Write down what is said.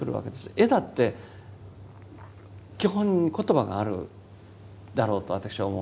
絵だって基本言葉があるだろうと私は思うんですね。